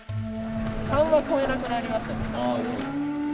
３は超えなくなりましたね。